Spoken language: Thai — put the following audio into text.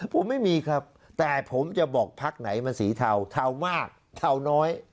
ผมไม่มีครับแต่ผมจะบอกพักไหนมันสีเทาเทามากเทาน้อย